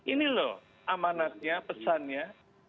ini loh amanatnya pesannya